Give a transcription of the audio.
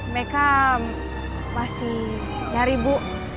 meka masih nyari bu